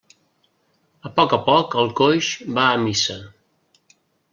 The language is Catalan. A poc a poc el coix va a missa.